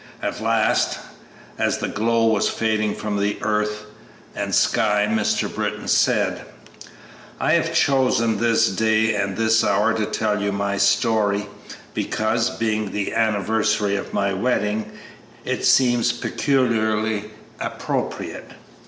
At last, as the glow was fading from earth and sky, Mr. Britton said, "I have chosen this day and this hour to tell you my story, because, being the anniversary of my wedding, it seemed peculiarly appropriate.